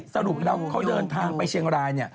สรุปแล้วเขาเดินทางไปเชียงราย